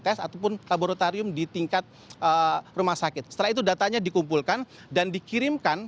tes ataupun laboratorium di tingkat rumah sakit setelah itu datanya dikumpulkan dan dikirimkan